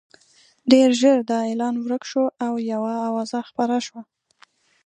ډېر ژر دا اعلان ورک شو او یوه اوازه خپره شوه.